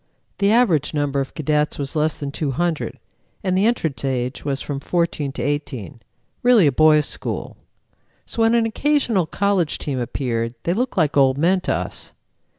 The average number of cadets was less than 200, and the entrance age was from 14 to 18 really a boys' school. So when an occasional college team appeared, they looked like old men to us.